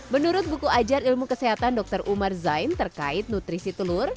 menurut buku ajar ilmu kesehatan dr umar zain terkait nutrisi telur